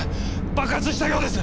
爆発したようです。